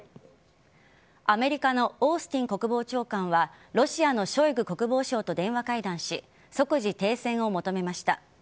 アメリカのオースティン国防長官はロシアのショイグ国防相と電話会談し即時停戦を求めました。